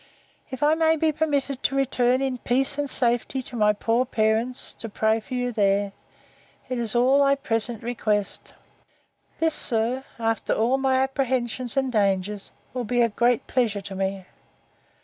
If I may be permitted to return in peace and safety to my poor parents, to pray for you there, it is all I at present request! This, sir, after all my apprehensions and dangers, will be a great pleasure to me.